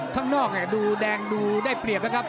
ข้างนอกดูแดงดูได้เปรียบนะครับ